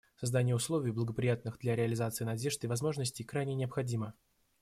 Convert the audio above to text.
Создание условий, благоприятных для реализации надежд и возможностей, крайне необходимо.